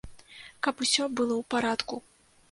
Каб усё было ў парадку.